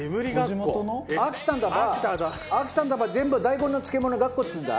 秋田んだば秋田んだば全部大根の漬物「がっこ」っつうんだ。